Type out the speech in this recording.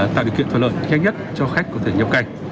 tạo điều kiện thuận lợi nhanh nhất cho khách có thể nhập cảnh